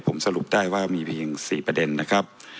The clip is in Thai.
ผมสรุปได้ว่ามีเพียง๔ประเด็นนะครับ